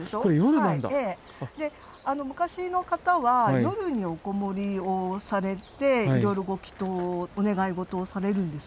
で昔の方は夜におこもりをされていろいろご祈とうお願いごとをされるんです。